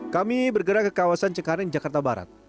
kami bergerak ke kawasan cengkareng jakarta barat